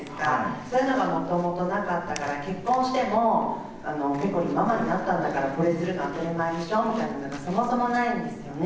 そういうのがもともとなかったから、結婚しても、ぺこりんママになったんだからこれするの当たり前でしょみたいなのがそもそもないんですよね。